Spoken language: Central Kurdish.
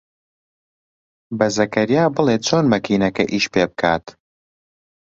بە زەکەریا بڵێ چۆن مەکینەکە ئیش پێ بکات.